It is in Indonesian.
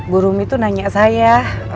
bu rumi tuh nanya saya